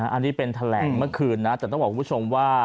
อันนี้เป็นแถลงเมื่อคืนนะแต่ต้องบอกคุณผู้ชมว่า